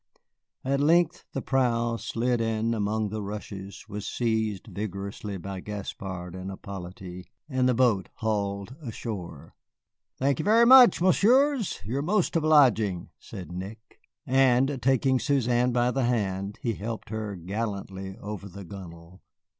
At length the prow slid in among the rushes, was seized vigorously by Gaspard and Hippolyte, and the boat hauled ashore. "Thank you very much, Messieurs; you are most obliging," said Nick. And taking Suzanne by the hand, he helped her gallantly over the gunwale.